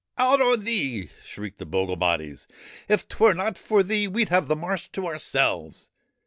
Out on thee I ' shrieked the bogle bodies ;' if 'twere not for thee we 'd have the marsh to ourselves.'